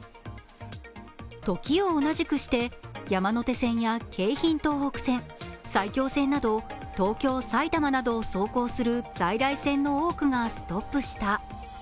時を同じくして山手線や京浜東北線埼京線など東京、埼玉などを走行する在来線の多くがストップした。